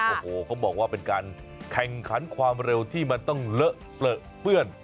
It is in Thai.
โอ้โหเขาบอกว่าเป็นการแข่งขันความเร็วที่มันต้องเลอะเปลือเปื้อน